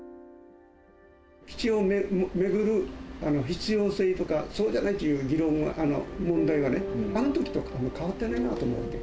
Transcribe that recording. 基地を巡る必要性とか、そうじゃないという議論、問題は、あの時と変わってないなと思って。